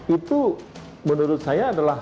itu menurut saya adalah